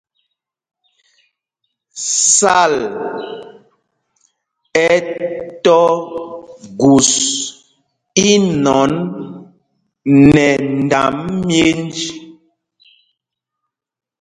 Sal ɛ tɔ gus inɔn nɛ ndam myēnj.